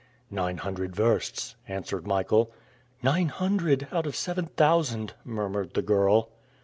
"Nine hundred versts," answered Michael. "Nine hundred, out of seven thousand!" murmured the girl.